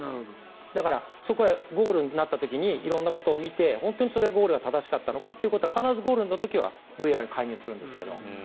だから、そこはゴールになった時に色んなことを見て本当にそれはゴールが正しかったのかというのを必ずゴールの時はＶＡＲ介入するんですけど。